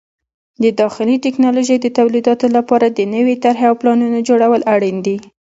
د داخلي ټکنالوژۍ د تولیداتو لپاره د نوې طرحې او پلانونو جوړول اړین دي.